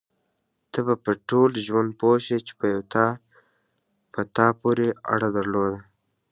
ته به په ټول ژوند پوه شې چې په تا پورې اړه درلوده.